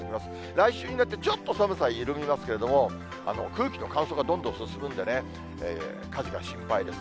来週になって、ちょっと寒さ緩みますけれども、空気の乾燥がどんどん進むんでね、火事が心配です。